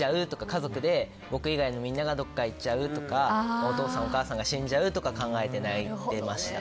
家族で僕以外のみんながどこかに行っちゃうとかお父さんお母さんが死んじゃうとか考えて泣いてました。